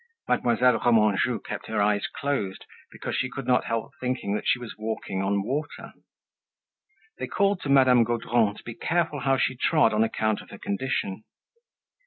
Mademoiselle Remanjou kept her eyes closed, because she could not help thinking that she was walking on water. They called to Madame Gaudron to be careful how she trod on account of her condition.